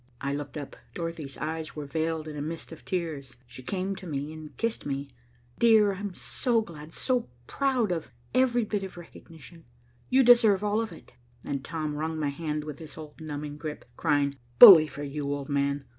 I looked up. Dorothy's eyes were veiled in a mist of tears. She came to me and kissed me. "Dear, I'm so glad, so proud of every bit of recognition. You deserve all of it," and Tom wrung my hand with his old numbing grip, crying, "Bully for you, old man.